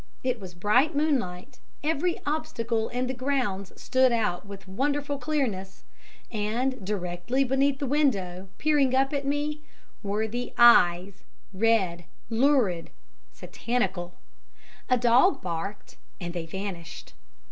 It was bright moonlight every obstacle in the grounds stood out with wonderful clearness and directly beneath the window, peering up at me, were the eyes red, lurid, satanical. A dog barked, and they vanished.